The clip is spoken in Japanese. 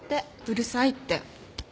うるさいって。